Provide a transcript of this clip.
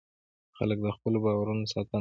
خلک د خپلو باورونو ساتنه کوي.